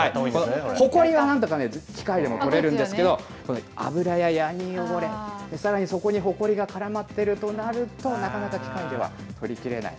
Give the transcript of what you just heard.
ホコリはなんとか機械でも取れるんですけれども、油やヤニ汚れ、さらにそこにホコリが絡まっているとなると、なかなか機械では取りきれない。